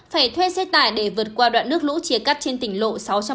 phải thuê xe tải để vượt qua đoạn nước lũ chia cắt trên tỉnh lộ sáu trăm sáu mươi